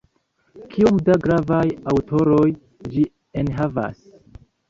Kiom da gravaj aŭtoroj ĝi enhavas!